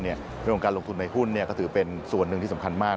เรื่องของการลงทุนในหุ้นก็ถือเป็นส่วนหนึ่งที่สำคัญมาก